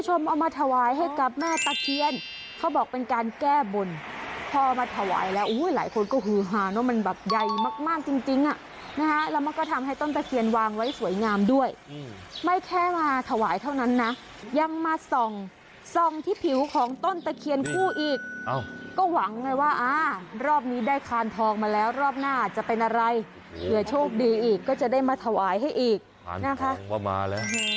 ฮาฮ่าฮ่าฮ่าฮ่าฮ่าฮ่าฮ่าฮ่าฮ่าฮ่าฮ่าฮ่าฮ่าฮ่าฮ่าฮ่าฮ่าฮ่าฮ่าฮ่าฮ่าฮ่าฮ่าฮ่าฮ่าฮ่าฮ่าฮ่าฮ่าฮ่าฮ่าฮ่าฮ่าฮ่าฮ่าฮ่าฮ่าฮ่าฮ่าฮ่าฮ่าฮ่าฮ่าฮ